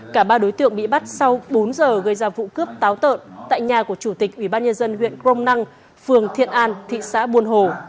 cả ba đối tượng bị bắt sau bốn giờ gây ra vụ cướp táo tợn tại nhà của chủ tịch ubnd huyện công năng phường thiện an thị xã buôn hồ